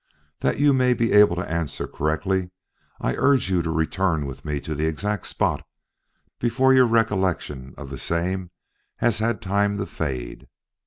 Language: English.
That you may be able to answer correctly I urge you to return with me to the exact spot, before your recollection of the same has had time to fade.